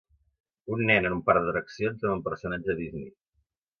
Un nen en un parc d'atraccions amb un personatge Disney.